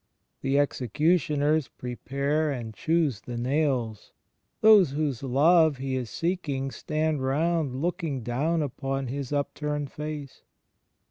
The execu tioners prepare and choose the nails. ... Those whose love He is seeking stand roimd looking down upon His upturned face.